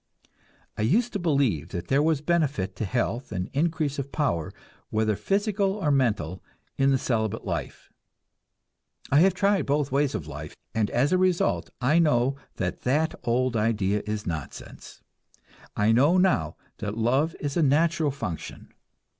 I used to believe that there was benefit to health and increase of power, whether physical or mental, in the celibate life. I have tried both ways of life, and as a result I know that that old idea is nonsense. I know now that love is a natural function.